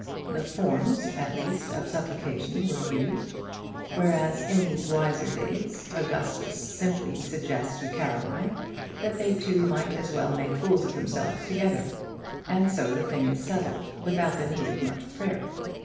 The forms at least of supplication were used; whereas in these wiser days Augustus simply suggests to Caroline that they two might as well make fools of themselves together, and so the thing is settled without the need of much prayer.